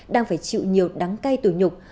đang phải chịu nhiều đắng cay tù nhục